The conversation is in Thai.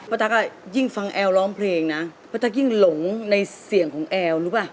ตั๊กอ่ะยิ่งฟังแอลร้องเพลงนะป้าตั๊กยิ่งหลงในเสียงของแอลรู้ป่ะ